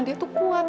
dia tuh kuat